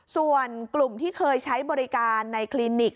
ส่วนกลุ่มที่เคยใช้บริการในคลินิก